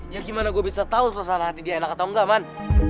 ya gimana gue bisa tahu suasana hati dia enak atau enggak man